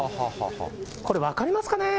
これ、分かりますかね。